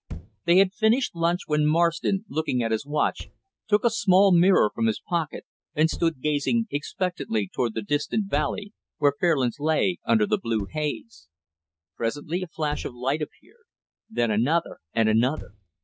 They had finished lunch, when Marston, looking at his watch, took a small mirror from his pocket and stood gazing expectantly toward the distant valley where Fairlands lay under the blue haze. Presently, a flash of light appeared; then another and another.